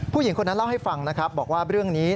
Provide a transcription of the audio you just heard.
ผู้หญิงคนนั้นเล่าให้ฟังนะครับบอกว่าเรื่องนี้